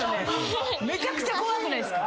めちゃくちゃ怖くないっすか？